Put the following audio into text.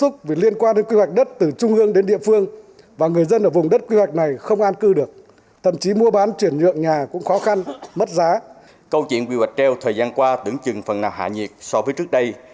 câu chuyện quy hoạch treo thời gian qua tưởng chừng phần nào hạ nhiệt so với trước đây